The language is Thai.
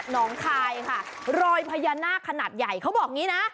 น้องคายค่ะรอยพญานาคขนาดใหญ่เขาบอกอย่างนี้นะ